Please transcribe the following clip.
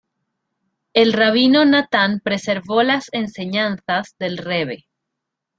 El rabino Natán preservó las enseñanzas del Rebe.